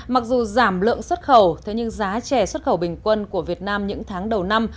mặc dù giảm lượng xuất khẩu thế nhưng giá chè xuất khẩu bình quân của việt nam những tháng đầu năm